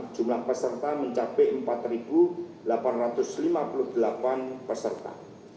jumlah peserta mencapai empat delapan ratus lima puluh delapan peserta